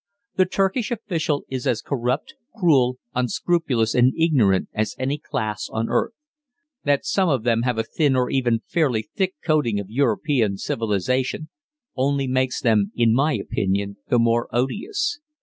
The Turkish official is as corrupt, cruel, unscrupulous, and ignorant as any class on earth. That some of them have a thin or even fairly thick coating of European civilization only makes them in my opinion the more odious.